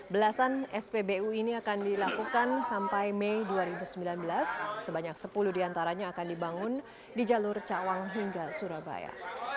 belasan spbu ini akan dilakukan sampai mei dua ribu sembilan belas sebanyak sepuluh diantaranya akan dibangun di jalur cawang hingga surabaya